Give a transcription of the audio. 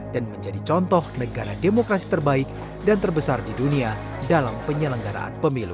dan menjadi contoh negara demokrasi terbaik dan terbesar di dunia dalam penyelenggaraan pemilu